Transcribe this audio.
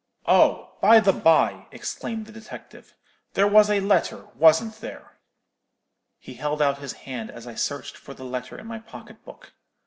"'Oh, by the bye,' exclaimed the detective, 'there was a letter, wasn't there?' "He held out his hand as I searched for the letter in my pocket book.